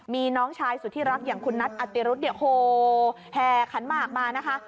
มีน้องชายสุดที่รักอย่างคุณนัทอติรุธเนี่ยโหแห่ขันหมากมานะคะ